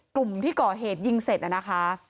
กลุ่มที่ก่อเหตุยิงเสร็จนะคะ